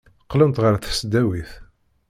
Qqlent ɣer tesdawit.